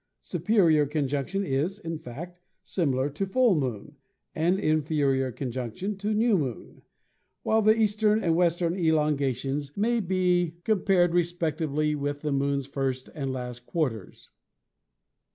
Superior conjunction is, in fact, similar to full Moon, and inferior conjunction to new Moon; while the eastern 128 ASTRONOMY and western elongations may be compared respectively with the Moon's first and last quarters.